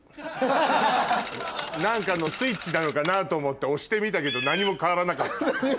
何かのスイッチなのかなと思って押してみたけど何も変わらなかった。